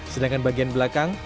sedangkan bagian belakang